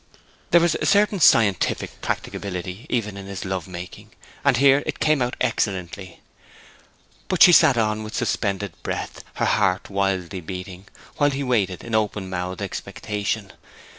There was a certain scientific practicability even in his love making, and it here came out excellently. But she sat on with suspended breath, her heart wildly beating, while he waited in open mouthed expectation.